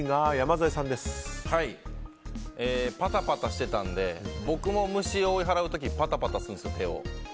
パタパタしてたので僕も虫を追い払う時パタパタするんですよ、手を。